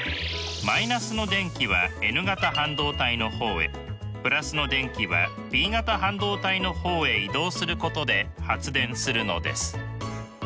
マイナスの電気はｎ型半導体の方へプラスの電気はｐ型半導体の方へ移動することで発電するのです。